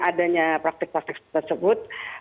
adanya praktik praktik tersebut